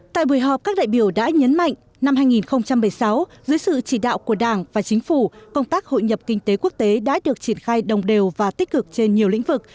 tại buổi họp các đại biểu đã nhấn mạnh năm hai nghìn một mươi sáu dưới sự chỉ đạo của đảng và chính phủ công tác hội nhập kinh tế quốc tế đã được triển khai đồng đều và tích cực trên nhiều lĩnh vực